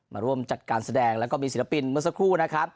มาร่วมจัดการแสดงแล้วก็มีศิลปินเมื่อสักครู่นะครับ